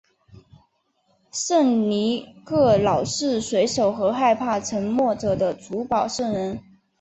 圣尼各老是水手和害怕沉没者的主保圣人。